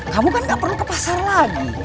kamu kan gak perlu ke pasar lagi